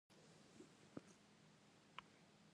biskuit itu sudah lemau